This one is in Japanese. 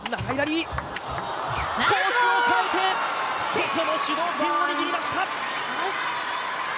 ここも主導権を握りました！